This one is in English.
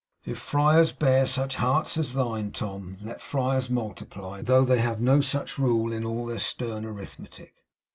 If friars bear such hearts as thine, Tom, let friars multiply; though they have no such rule in all their stern arithmetic.